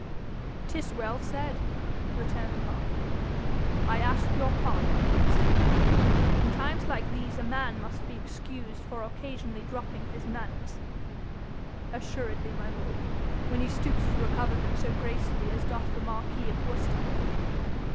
''Tis well said,' returned the marquis. 'I ask your pardon, Mr. Heywood. In times like these a man must be excused for occasionally dropping his manners.' 'Assuredly, my lord, when he stoops to recover them so gracefully as doth the marquis of Worcester.'